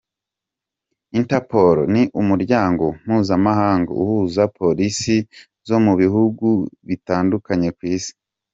Interpol ni Umuryango mpuzamahanga uhuza Polisi zo mu bihugu bitandukanye ku isi.